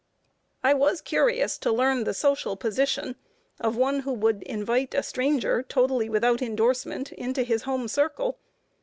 I was curious to learn the social position of one who would invite a stranger, totally without indorsement, into his home circle.